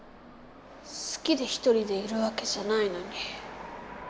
好きで一人でいるわけじゃないのに。